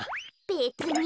べつに。